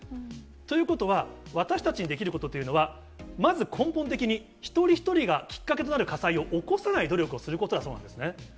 ということは、私たちにできることというのは、まず根本的に、一人一人がきっかけとなる火災を起こさない努力をすることだそうなんですね。